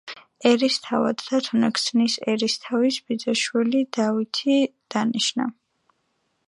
ერისთავად დათუნა ქსნის ერისთავის ბიძაშვილი დავითი დანიშნა.